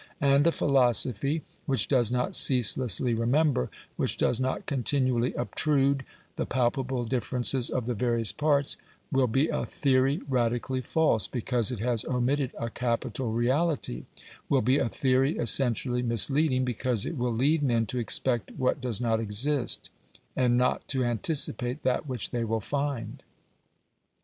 And a philosophy which does not ceaselessly remember, which does not continually obtrude, the palpable differences of the various parts, will be a theory radically false, because it has omitted a capital reality will be a theory essentially misleading, because it will lead men to expect what does not exist, and not to anticipate that which they will find.